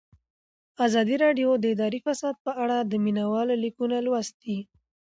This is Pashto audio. ازادي راډیو د اداري فساد په اړه د مینه والو لیکونه لوستي.